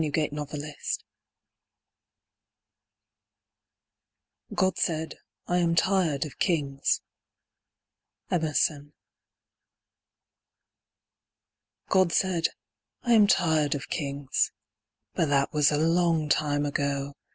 REMARKS ABOUT KINGS God said, "I am tired of kings." EMERSON. God said, "I am tired of kings," But that was a long time ago!